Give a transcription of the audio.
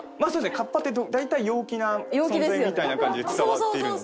河童って大体陽気な存在みたいな感じで伝わっているんで。